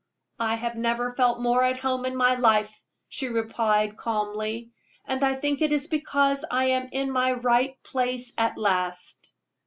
"I have never felt more at home in my life," she replied, calmly; "and I think it is because I am in my right place at last."